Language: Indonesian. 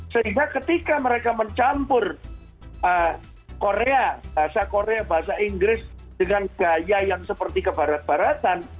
sehingga ketika mereka mencampur korea bahasa korea bahasa inggris dengan gaya yang seperti ke baratan